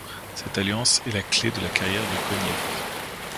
Cette alliance est la clef de la carrière de Koniev.